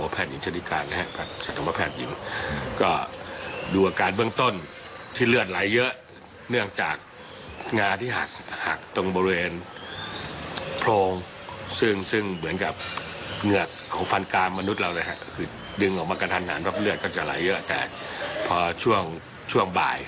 ไปฟังเสียงกันหน่อยครับ